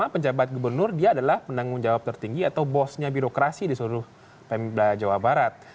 karena penjabat gubernur dia adalah pendangung jawab tertinggi atau bosnya birokrasi di seluruh pemba jawa barat